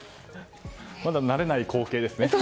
まだ慣れない光景ですね。